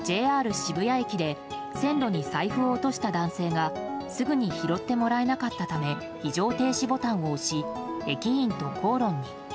渋谷駅で線路に財布を落とした男性がすぐに拾ってもらえなかったため非常停止ボタンを押し駅員と口論に。